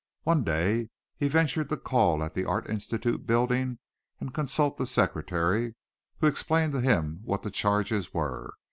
One day he ventured to call at the Art Institute building and consult the secretary, who explained to him what the charges were.